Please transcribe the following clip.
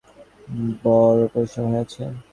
বড়ো পরিশ্রম হইয়াছে।